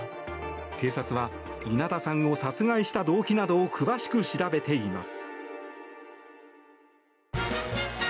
警察は稲田さんを殺害した動機などを詳しく調べています。